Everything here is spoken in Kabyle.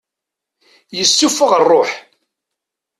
Yessuffeɣ rruḥ.